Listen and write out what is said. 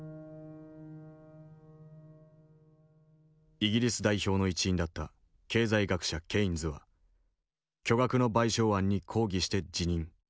イギリス代表の一員だった経済学者ケインズは巨額の賠償案に抗議して辞任。